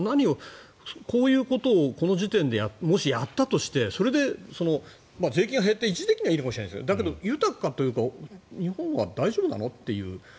こういうことをこの時点でもし、やったとしてそれで税金が減って一時的にはいいかもしれないですが豊かというか日本は大丈夫なのという。